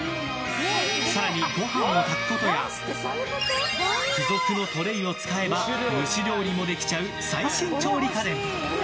更に、ご飯を炊くことや付属のトレイを使えば蒸し料理もできちゃう最新調理家電。